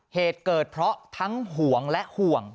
เหตุเกิดเพราะทั้งห่วงและห่วง